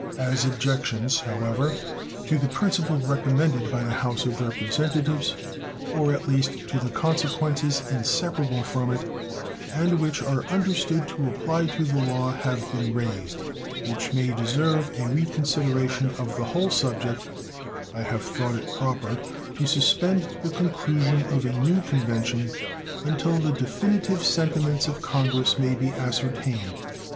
As objections, however, to the principle recommended by the House of Representatives, or at least to the consequences inseparable from it, and which are understood to apply to the law, have been raised, which may deserve a reconsideration of the whole subject, I have thought it proper to suspend the conclusion of a new convention until the definitive sentiments of Congress may be ascertained.